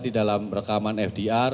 di dalam rekaman fdr